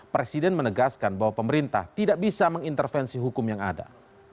presiden menegaskan bahwa pemerintah tidak bisa mengintervensi hukum yang ada